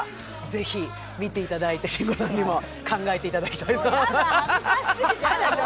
ぜひ見ていただいて、慎吾さんにも考えていただきたいと思います。